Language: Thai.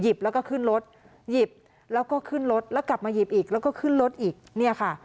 แล้วก็ขึ้นรถหยิบแล้วก็ขึ้นรถแล้วกลับมาหยิบอีกแล้วก็ขึ้นรถอีกเนี่ยค่ะ